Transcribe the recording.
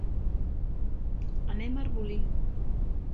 Anem a Arbolí.